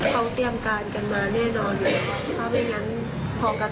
เขาเตรียมการกันมาแน่นอนเลย